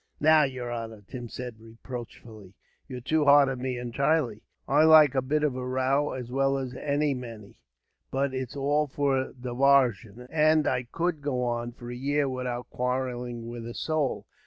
"Now, yer honor," Tim said reproachfully, "you're too hard on me, entirely. I like a bit of a row as well as any many, but it's all for divarsion; and I could go on, for a year, without quarrelling with a soul.